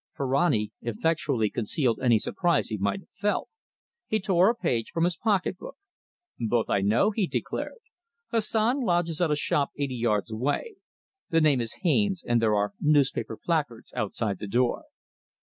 Ferrani effectually concealed any surprise he might have felt. He tore a page from his pocket book. "Both I know," he declared. "Hassan lodges at a shop eighty yards away. The name is Haines, and there are newspaper placards outside the door."